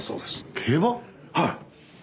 はい。